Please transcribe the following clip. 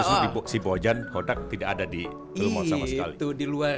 terus di bojan hodak tidak ada di rumore sama sekali